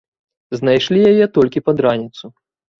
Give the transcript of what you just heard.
Знайшлі яе толькі пад раніцу.